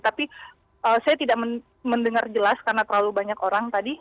tapi saya tidak mendengar jelas karena terlalu banyak orang tadi